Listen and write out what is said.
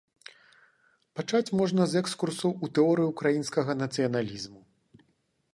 Пачаць можна з экскурсу ў тэорыю ўкраінскага нацыяналізму.